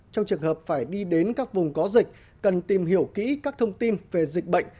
trong trường hợp phải đi đến các vùng có dịch cần tìm hiểu kỹ các thông tin về dịch bệnh